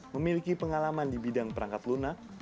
memiliki pengalaman di bidang perangkat lunak